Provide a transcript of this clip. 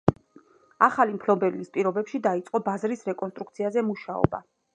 ახალი მფლობელის პირობებში დაიწყო ბაზრის რეკონსტრუქციაზე მუშაობა.